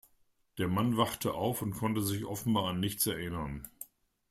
Der Mann wachte auf und konnte sich offenbar an nichts erinnern.